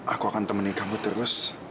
aku akan temani kamu terus